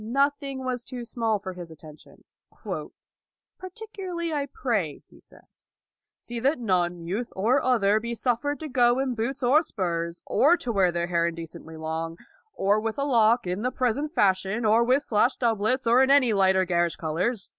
Nothing was too small for his attention. " Particularly I pray," he says, " see that none, youth or other, be suffered to go in boots or spurs, or to wear their hair indecently long, or with a lock in the present fashion, or with slashed doublets, or in any light or garish colors."